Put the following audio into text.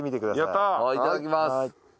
いただきます。